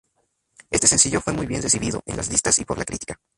Este sencillo fue muy bien recibido en las listas y por la crítica.